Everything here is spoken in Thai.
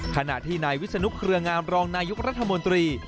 ขณะที่นายวิศนุกร์เครื่องอำรองนายุครัฐมนตรี